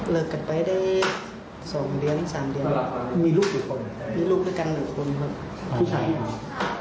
แล้วเขายังพักอยู่บ้านนั้นอยู่หรือเปล่าครับ